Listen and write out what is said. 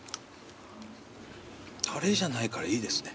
タレじゃないからいいですね。